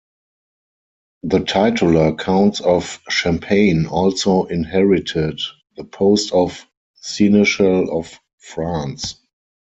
The titular counts of Champagne also inherited the post of seneschal of France.